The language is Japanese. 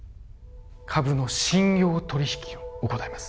株の信用取引を行います